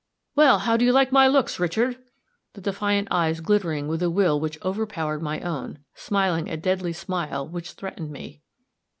"Well, how do you like my looks, Richard?" the defiant eyes glittering with a will which overpowered my own, smiling a deadly smile which threatened me.